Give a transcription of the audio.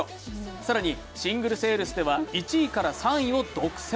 更にシングルセールスでは１位から３位を独占。